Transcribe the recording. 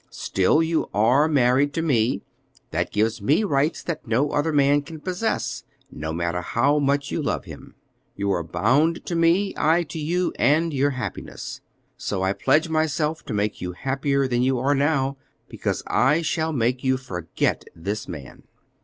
Still, you are married to me; that gives me rights that no other man can possess, no matter how much you love him. You are bound to me, I to you and your happiness; so I pledge myself to make you happier than you are now, because I shall make you forget this man."